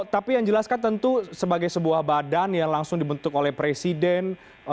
tapi yang jelas kan tentu sebagai sebuah badan yang langsung dibentuk oleh presiden